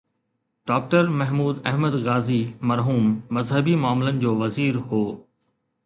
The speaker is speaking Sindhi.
ڊاڪٽر محمود احمد غازي مرحوم مذهبي معاملن جو وزير هو.